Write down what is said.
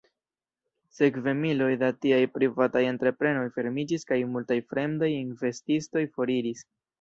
Sekve miloj da tiaj privataj entreprenoj fermiĝis kaj multaj fremdaj investistoj foriris.